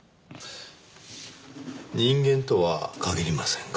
人間とは限りませんが。